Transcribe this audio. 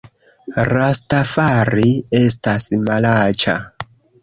Rastafari estas malaĉa